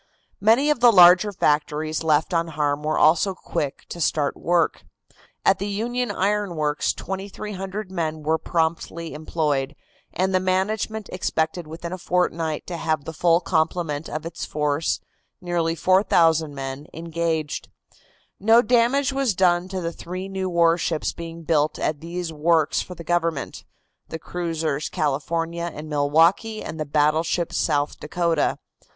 Many of the larger factories left unharmed were also quick to start work. At the Union Iron Works 2,300 men were promptly employed, and the management expected within a fortnight to have the full complement of its force, nearly 4,000 men, engaged. No damage was done to the three new warships being built at these works for the government, the cruisers California and Milwaukee and the battleship South Dakota.